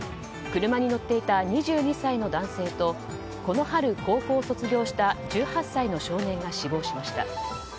車に乗っていた２２歳の男性とこの春、高校を卒業した１８歳の少年が死亡しました。